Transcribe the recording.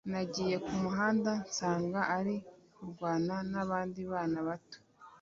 nagiye kumuhanda sanga ari kurwana nabandi bana bato